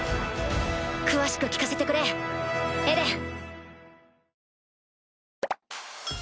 詳しく聞かせてくれエレン。